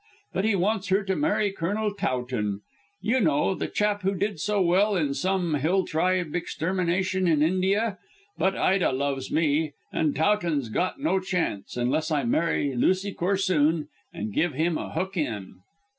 But he wants her to marry Colonel Towton you know, the chap who did so well in some hill tribe extermination in India. But Ida loves me, and Towton's got no chance, unless I marry Lucy Corsoon and give him a look in."